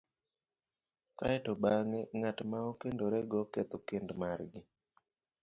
kae to bang'e ng'at ma okendorego ketho kend margi,